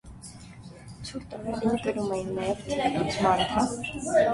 Ցուրտ օրերին կրում էին նաև թիկնոց՝ մանթա։